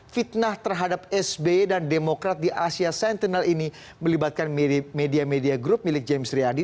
fitnah terhadap sbe dan demokrat di asia sentinel ini melibatkan media media grup milik james riyadi